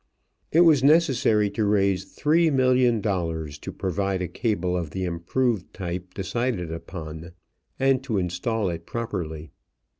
It was necessary to raise three million dollars to provide a cable of the improved type decided upon and to install it properly.